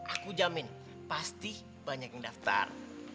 aku jamin pasti banyak yang daftar